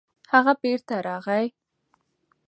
هغه بېرته راغی.